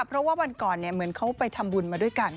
เพราะว่าวันก่อนเหมือนเขาไปทำบุญมาด้วยกัน